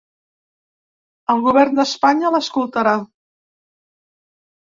El govern d’Espanya l’escoltarà?.